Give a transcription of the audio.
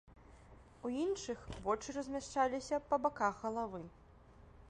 У іншых вочы размяшчаліся па баках галавы.